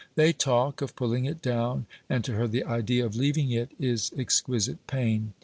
They talk of pulling it down, and to her the idea of leaving it is exquisite pain.